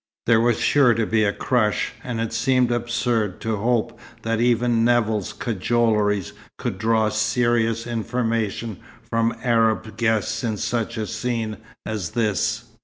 There was sure to be a crush, and it seemed absurd to hope that even Nevill's cajoleries could draw serious information from Arab guests in such a scene as this.